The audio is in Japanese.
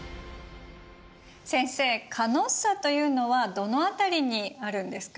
先生カノッサというのはどの辺りにあるんですか？